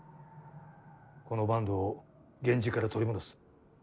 この坂東を源氏から取り戻す。